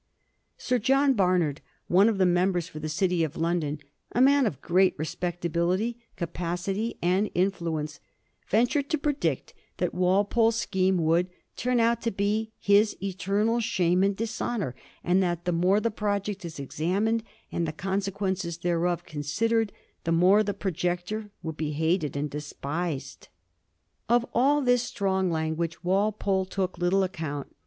Sir John Barnard, one of the members for the City of London, a man of great respectability, capacity, and influence, ventured to predict that Walpole's scheme would ' turn out to be his eternal shame and dishonour, and that the more the project is examined and the consequences thereof considered, the more the projector will be hated and despised.' Of all this strong language Walpole took little account.